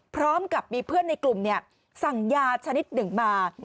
พร้อมกับมีเพื่อนในกลุ่มสั่งยาชนิดหนึ่งมา